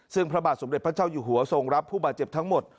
ซึ่งพระบาทสมเด็จพระเจ้าอยู่หัวทรงรับผู้บาดเจ็บทั้งหมด